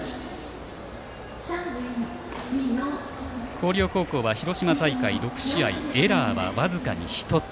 広陵は広島大会エラーは僅かに１つ。